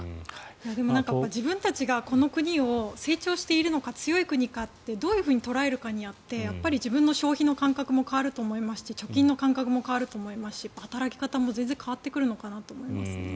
でも自分たちがこの国を成長しているのか強い国かってどう捉えるかによって自分の消費の感覚も変わると思いますし貯金の感覚も変わると思いますし働き方も全然変わってくるのかなと思いますね。